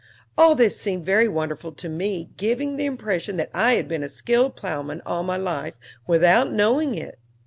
All this seemed very wonderful to me, giving the impression that I had been a skillful plowman all my life without knowing it.